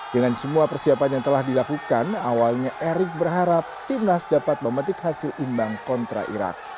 dengan semua persiapan yang telah dilakukan awalnya erick berharap timnas dapat memetik hasil imbang kontra irak